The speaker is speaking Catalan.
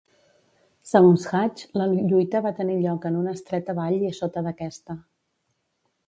Segons Hatch, la lluita va tenir lloc en una estreta vall i a sota d'aquesta.